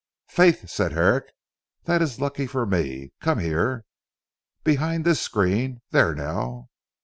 "Faith," said Herrick, "that is lucky for me! Come here. Behind this screen there now."